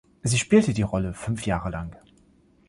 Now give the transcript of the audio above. Sie spielte die Rolle fünf Jahre lang.